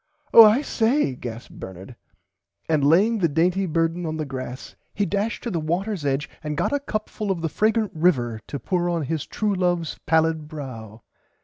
Oh I say gasped Bernard and laying the dainty burden on the grass he dashed to the waters edge and got a cup full of the fragrant river to pour on his true loves pallid brow.